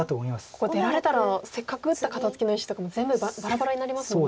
ここ出られたらせっかく打った肩ツキの石とかも全部バラバラになりますよね。